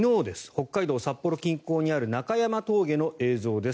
北海道札幌近郊にある中山峠の映像です。